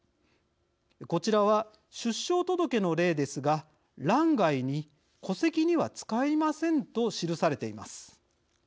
こちらは出生届の例ですが欄外に戸籍には使いませんと記されています。